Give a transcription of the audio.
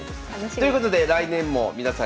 ということで来年も皆さん。